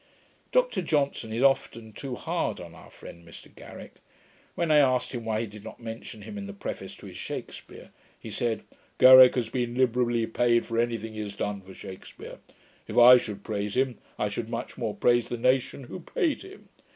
Dr Johnson is often too hard on our friend Mr Garrick. When I asked him, why he did not mention him in the Preface to his Shakspeare, he said, 'Garrick has been liberally paid for any thing he has done for Shakspeare. If I should praise him, I should much more praise the nation who paid him.